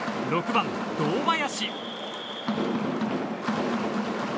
６番、堂林。